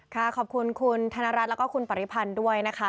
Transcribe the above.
ค่ะขอบคุณคุณธนรัชและคุณปริพันธ์ด้วยนะคะ